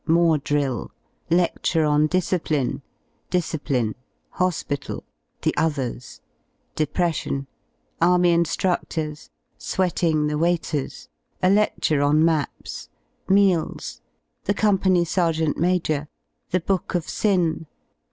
§ More drill. § Ledture on discipline. § Dis cipline. § Hospital. §The others. § Depression. § Army infractors. § Sweating the waiters. § A lec ture on maps. § Meals. § The Company Sergeant Major. § The book of sin.